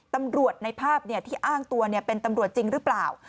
ตำรวจในภาพที่อ้างตัวเป็นตำรวจจริงหรือเปล่า